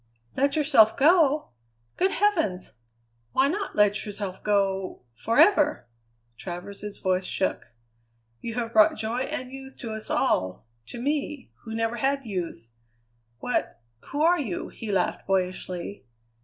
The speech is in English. "Let yourself go? Good heavens! Why not let yourself go forever?" Travers's voice shook. "You have brought joy and youth to us all to me, who never had youth. What who are you?" he laughed boyishly.